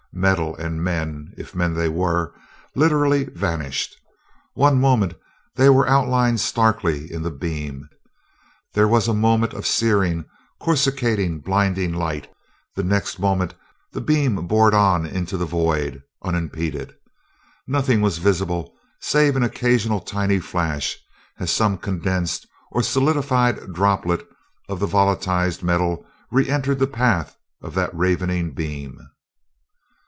Metal and men if men they were literally vanished. One moment they were outlined starkly in the beam; there was a moment of searing, coruscating, blinding light the next moment the beam bored on into the void, unimpeded. Nothing was visible save an occasional tiny flash, as some condensed or solidified droplet of the volatilized metal re entered the path of that ravening beam.